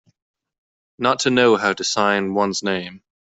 Not to know how to sign one's name.